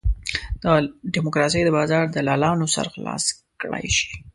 د ډیموکراسۍ د بازار دلالانو سر خلاص کړای شي.